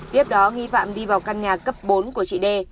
tiếp đó nghi phạm đi vào căn nhà cấp bốn của chị đê